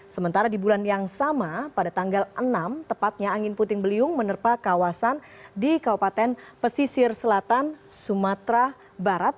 sementara di bulan yang sama pada tanggal enam tepatnya angin puting beliung menerpa kawasan di kabupaten pesisir selatan sumatera barat